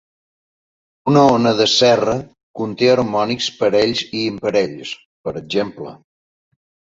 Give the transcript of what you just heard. Una ona de serra, conté harmònics parells i imparells, per exemple.